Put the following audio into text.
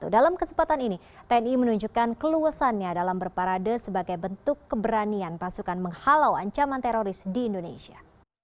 dalam kesempatan ini tni menunjukkan keluesannya dalam berparade sebagai bentuk keberanian pasukan menghalau ancaman teroris di indonesia